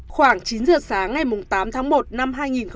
khoảng chín giờ sáng ngày tám tháng một năm hai nghìn hai mươi